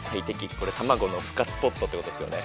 これタマゴのふ化スポットってことですよね。